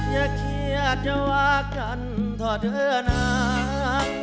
อย่าเครียดว่ากันเถอะเด้อน้ำ